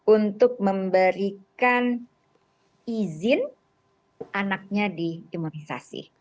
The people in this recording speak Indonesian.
untuk memberikan izin anaknya di imunisasi